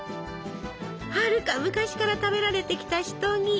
はるか昔から食べられてきたシトギ。